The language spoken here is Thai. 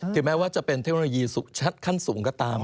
แม้ว่าจะเป็นเทคโนโลยีสุชัดขั้นสูงก็ตาม